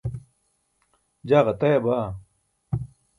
jaa ġataya baa